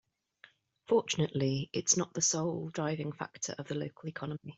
Fortunately its not the sole driving factor of the local economy.